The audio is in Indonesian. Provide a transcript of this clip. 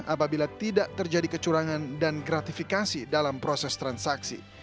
apabila tidak terjadi kecurangan dan gratifikasi dalam proses transaksi